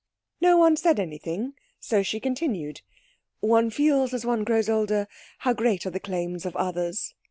No one said anything, so she continued: "One feels, as one grows older, how great are the claims of others.